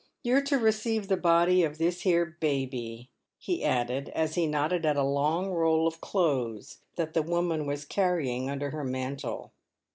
Tou're to receive the body of this here baby," he added, as he nodded at a long roll of clothes that the woman was carrying under her mantle.